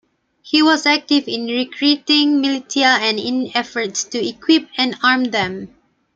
He was active in recruiting militia and in efforts to equip and arm them.